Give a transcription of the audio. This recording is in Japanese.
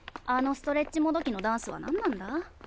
あのストレッチもどきのダンスはなんなんだ？